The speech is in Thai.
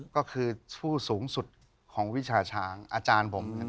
ก็คือผู้สูงสุดของวิชาช้างอาจารย์ผม